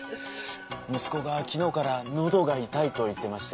息子が昨日から喉が痛いと言ってまして。